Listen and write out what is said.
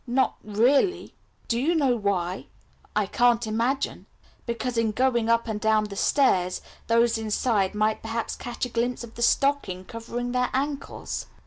"Not really?" "Do you know why?" "I can't imagine." "Because in going up and down the stairs those inside might perhaps catch a glimpse of the stocking covering their ankles."